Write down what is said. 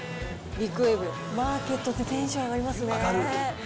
ビッグウェーブ、マーケットって、テンション上がりますね。